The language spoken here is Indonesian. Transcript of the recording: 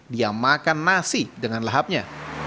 dia makan nasi dengan lahapnya